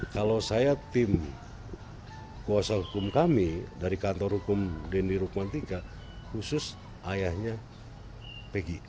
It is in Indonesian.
kalau saya tim kuasa hukum kami dari kantor hukum dendi rukman iii khusus ayahnya pegi